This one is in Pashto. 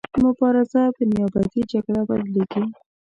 مبارزه په نیابتي جګړه بدلیږي.